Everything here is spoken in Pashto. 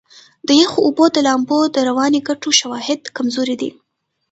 د یخو اوبو د لامبو د رواني ګټو شواهد کمزوري دي.